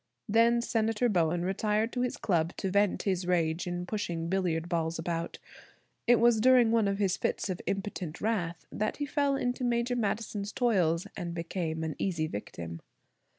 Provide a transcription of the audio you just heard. Then Senator Bowen retired to his club to vent his rage in pushing billiard balls about. It was during one of his fits of impotent wrath that he fell into Major Madison's toils and became an easy victim.